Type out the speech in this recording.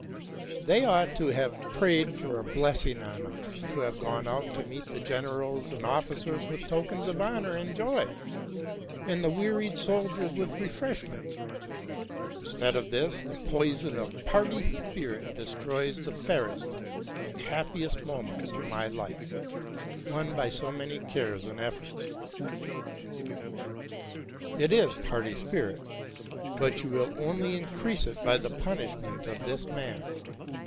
"' ''They ought to have prayed for a blessing on us, and to have gone out to meet the generals and officers with tokens of honor and joy, and the wearied soldiers with refreshments. Instead of this, the poison of party spirit destroys the fairest and happiest moments of my life, won by so many cares and efforts."' '*Tt is party spirit, but you will only increase it by the 86 TRUTH AND FICTION punishment of this man.